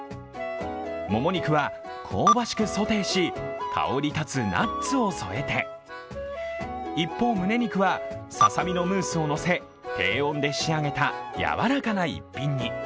もも肉は香ばしくソテーし、香り立つナッツを添えて一方、むね肉はささ身のムースをのせ、やわらかな逸品に。